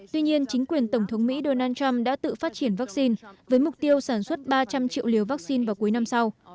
tuy nhiên chính quyền tổng thống mỹ donald trump đã tự phát triển vaccine với mục tiêu sản xuất ba trăm linh triệu liều vaccine vào cuối năm sau